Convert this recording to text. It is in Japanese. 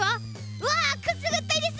うわくすぐったいです。